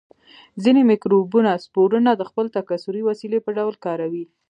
ځینې مکروبونه سپورونه د خپل تکثري وسیلې په ډول کاروي.